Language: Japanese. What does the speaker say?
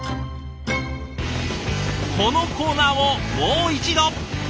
このコーナーをもう一度！